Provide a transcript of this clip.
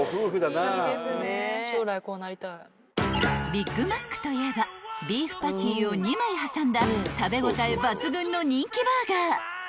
［ビッグマックといえばビーフパティを２枚挟んだ食べ応え抜群の人気バーガー］